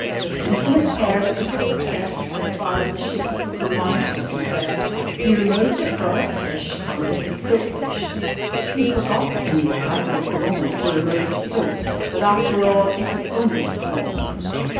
With infinite care but little success as far as the shape of the blanc mange was concerned, he removed it from its dish on to his soap dish. He forgot, in the excitement of the moment, to remove the soap, but, after all, it was only a small piece.